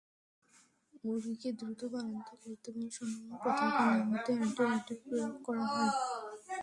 মুরগিকে দ্রুত বাড়ন্ত করতে এবং সংক্রামক প্রতিরোধে নিয়মিত অ্যান্টিবায়োটিক প্রয়োগ করা হয়।